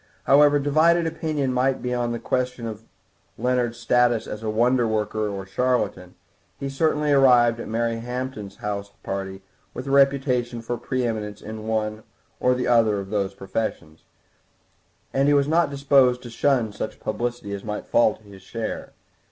However divided opinion might be on the question of Leonard's status as a wonderworker or a charlatan, he certainly arrived at Mary Hampton's house party with a reputation for pre eminence in one or other of those professions, and he was not disposed to shun such publicity as might fall to his share.